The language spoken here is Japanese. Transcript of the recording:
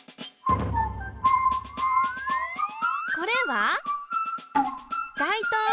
これは外灯。